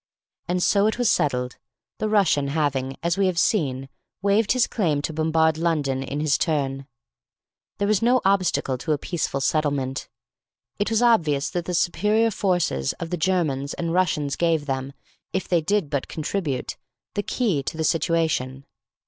And so it was settled, the Russian having, as we have seen, waived his claim to bombard London in his turn, there was no obstacle to a peaceful settlement. It was obvious that the superior forces of the Germans and Russians gave them, if they did but combine, the key to the situation.